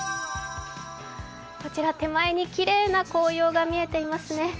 こちら手前にきれいな紅葉が見えていますね。